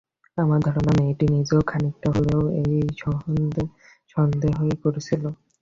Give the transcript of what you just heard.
আমার ধারণা, মেয়েটি নিজেও খানিকটা হলেও এই সন্দেহই করছিল।